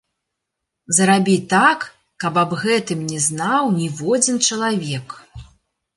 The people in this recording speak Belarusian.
Зрабі так, каб аб гэтым не знаў ніводзін чалавек.